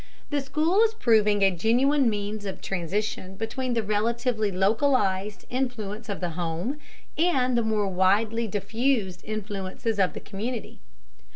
The school is proving a genuine means of transition between the relatively localized influence of the home and the more widely diffused influences of the community.